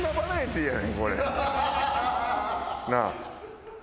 なあ？